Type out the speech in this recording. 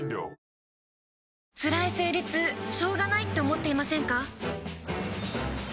つらい生理痛しょうがないって思っていませんか？